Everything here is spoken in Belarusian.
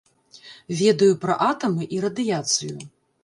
Ведаю пра атамы і радыяцыю.